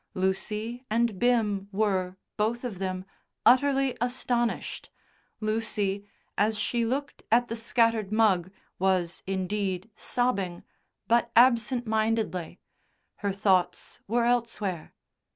Lucy and Bim were, both of them, utterly astonished, Lucy, as she looked at the scattered mug, was, indeed, sobbing, but absent mindedly her thoughts were elsewhere.